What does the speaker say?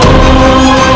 baik ayahanda prabu